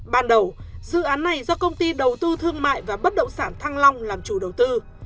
ban đầu dự án này do công ty đầu tư thương mại và bất động sản thăng long làm chủ đầu tư